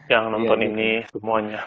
yang nonton ini semuanya